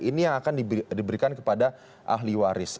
ini yang akan diberikan kepada ahli waris